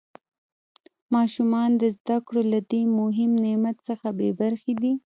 ماشومان د زده کړو له دې مهم نعمت څخه بې برخې دي.